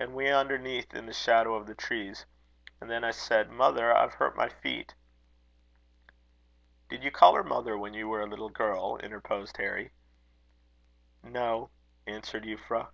and we underneath in the shadow of the trees. And then I said, 'Mother, I've hurt my feet.'" "Did you call her mother when you were a little girl?" interposed Harry. "No," answered Euphra.